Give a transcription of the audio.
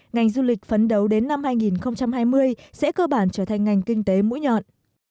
ngành du lịch phấn đấu đến năm hai nghìn hai mươi sẽ cơ bản trở thành ngành kinh tế mũi nhọn